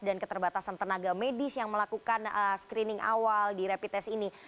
dan keterbatasan tenaga medis yang melakukan screening awal di rapid test ini